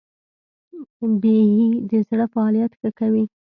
بیهي د زړه فعالیت ښه کوي.